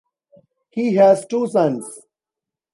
He has two sons.